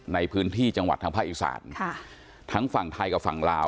ในพื้นที่จังหวัดทางภาคอีสานค่ะทั้งฝั่งไทยกับฝั่งลาว